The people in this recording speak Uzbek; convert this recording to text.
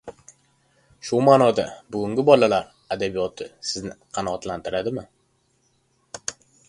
Shu ma’noda, bugungi bolalar adabiyoti sizni qanoatlantiradimi?